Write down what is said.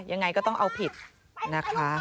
ยังไงก็ต้องเอาผิดนะคะ